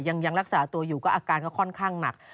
ยังรักษาตัวอยู่ก็อาการก็ค่อนข้างหนัก